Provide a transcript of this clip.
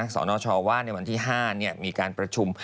สนชว่าในวันที่๕มีการประชุม